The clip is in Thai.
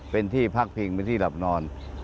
เป็นที่พักพิงเป็นที่หลับนอน